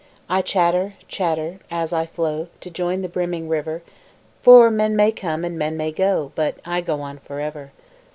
I chatter, chatter, as I flow To join the brimming river, For men may come and men may go, But I go on for ever.